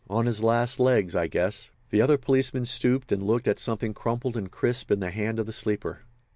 On his last legs, I guess." The other policeman stooped and looked at something crumpled and crisp in the hand of the sleeper.